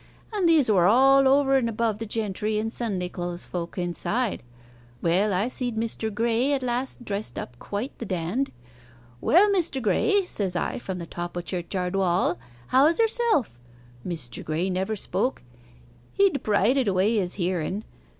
And these were all over and above the gentry and Sunday clothes folk inside. Well, I seed Mr. Graye at last dressed up quite the dand. "Well, Mr. Graye," says I from the top o' church'ard wall, "how's yerself?" Mr. Graye never spoke he'd prided away his hearen.